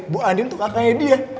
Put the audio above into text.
bu adin tuh kakaknya dia